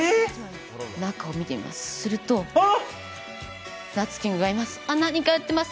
中を見てみますと、するとなつキングがいます